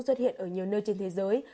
xuất hiện ở nhiều nơi trên thế giới